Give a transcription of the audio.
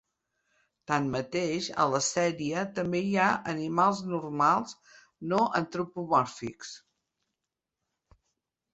Tanmateix, a la sèrie també hi ha animals normals no antropomòrfics.